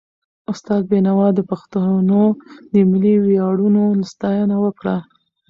استاد بينوا د پښتنو د ملي ویاړونو ستاینه وکړه.